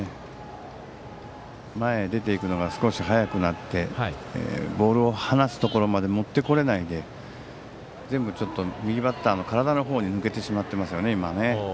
前へ出て行くのが少し早くなってボールを放すところまで持ってこれないで全部、右バッターの体の方に抜けてしまっていますね。